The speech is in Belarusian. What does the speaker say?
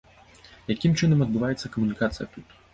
Якім чынам адбываецца камунікацыя тут.